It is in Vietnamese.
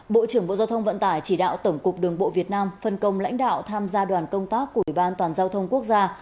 bộ trưởng bộ giao thông vận tải chỉ đạo tổng cục đường bộ việt nam phân công lãnh đạo tham gia đoàn công tác của ủy ban toàn giao thông quốc gia